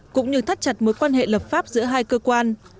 cũng như thắt chặt mối quan hệ lập pháp giữa hai cơ quan